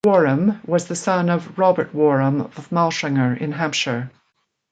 Warham was the son of Robert Warham of Malshanger in Hampshire.